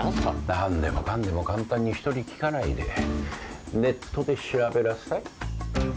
何でもかんでも簡単に人に聞かないでネットで調べなさい。